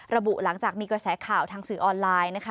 ระบุหลังจากมีกระแสข่าวทางสื่อออนไลน์นะคะ